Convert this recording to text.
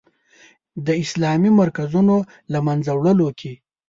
د اسلامي مرکزونو له منځه وړلو کې.